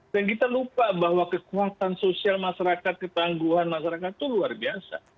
dan kita lupa bahwa kekuatan sosial masyarakat ketangguhan masyarakat itu luar biasa